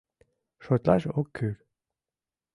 — Шотлаш ок кӱл.